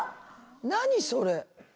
何それ。